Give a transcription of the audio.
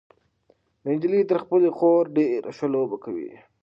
دا نجلۍ تر خپلې خور ډېره ښه لوبه کوي.